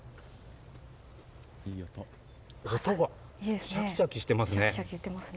音が、シャキシャキしていますね。